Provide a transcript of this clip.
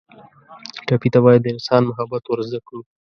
ټپي ته باید د انسان محبت ور زده کړو.